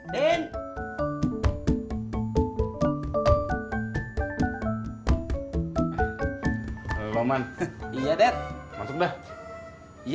pantai itu tempat gimana sih